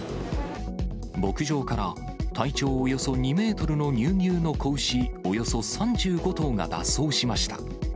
牧場から体長およそ２メートルの乳牛の子牛およそ３５頭が脱走しました。